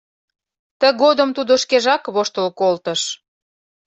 Тыгодым тудо шкежак воштыл колтыш.